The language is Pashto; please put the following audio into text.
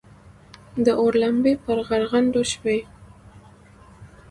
د اور لمبې پر غرغنډو شوې.